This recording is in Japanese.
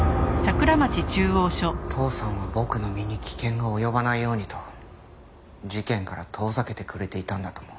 父さんは僕の身に危険が及ばないようにと事件から遠ざけてくれていたんだと思う。